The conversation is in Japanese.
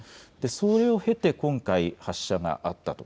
それを経て今回、発射があったと。